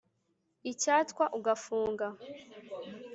icyatwa ugafunga;